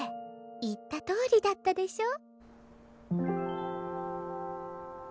言ったとおりだったでしょ。